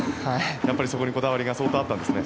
やっぱりそこにこだわりが相当あったんですね。